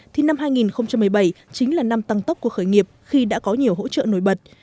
thì năm hai nghìn một mươi bảy chính là năm tăng tốc của khởi nghiệp khi đã có nhiều hỗ trợ nổi bật